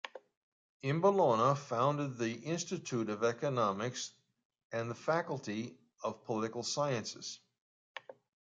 In Bologna founded the Institute of Economics and the Faculty of Political Sciences.